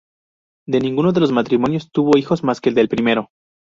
De ninguno de los matrimonios tuvo hijos, más que del primero.